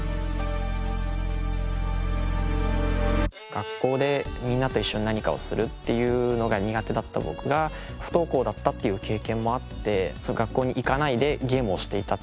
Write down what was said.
学校でみんなと一緒に何かをするっていうのが苦手だった僕が不登校だったっていう経験もあって学校に行かないでゲームをしていた。